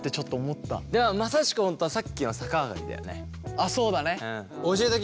あっそうだね。